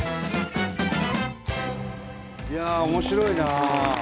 いや面白いな。